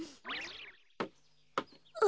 あ。